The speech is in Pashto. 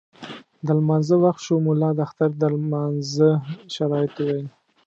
د لمانځه وخت شو، ملا د اختر د لمانځه شرایط وویل.